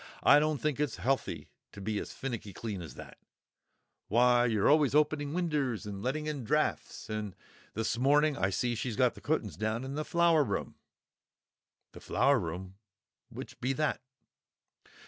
I don't think it's healthy to be as finnicky clean as that; why, you're always opening winders and letting in draughts. And now this morning I see she's got the cutt'ns down in the Flower room——" "The Flower room? Which be that?"